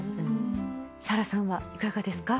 サラさんはいかがですか？